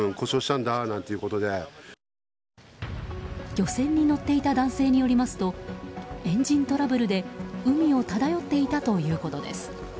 漁船に乗っていた男性によりますとエンジントラブルで海を漂っていたということです。